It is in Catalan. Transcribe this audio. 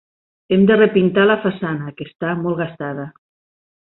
Hem de repintar la façana, que està molt gastada.